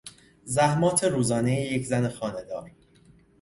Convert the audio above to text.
زحمات روزانهی یک زن خانهدار